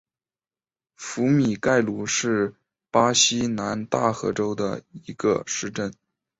福米盖鲁是巴西南大河州的一个市镇。